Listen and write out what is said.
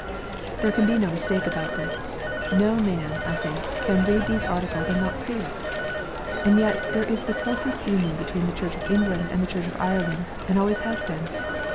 There can be no mistake about this. No man, I think, can read these Articles and not see it. And yet there is the closest union between the Church of England and the Church of Ireland, and always has been.